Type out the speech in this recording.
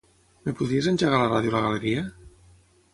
Em podries engegar la ràdio a la galeria?